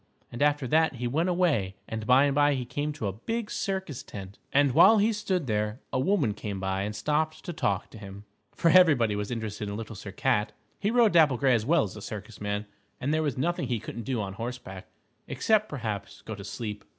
And after that he went away and by and by he came to a big circus tent. And while he stood there, a woman came by and stopped to talk to him. For everybody was interested in Little Sir Cat. He rode Dapple Gray as well as a circus man, and there was nothing he couldn't do on horseback, except, perhaps, go to sleep.